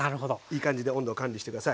いい感じで温度を管理して下さい。